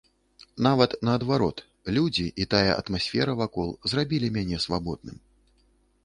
Нават, наадварот, людзі і тая атмасфера вакол зрабілі мяне свабодным.